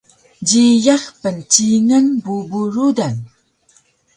Jiyax pncingan bubu rudan